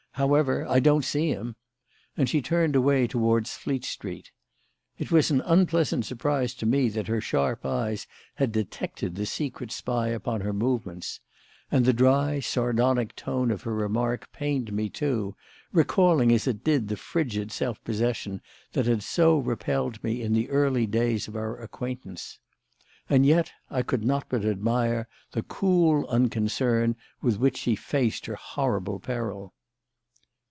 However, I don't see him"; and she turned away towards Fleet Street. It was an unpleasant surprise to me that her sharp eyes had detected the secret spy upon her movements; and the dry, sardonic tone of her remark pained me, too, recalling, as it did, the frigid self possession that had so repelled me in the early days of our acquaintance. And yet I could not but admire the cool unconcern with which she faced her horrible peril.